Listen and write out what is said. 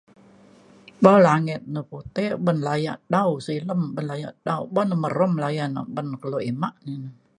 Bo anet ya na putek ben laya dau silem ben laya, ben na merem layan na kelo imak na ina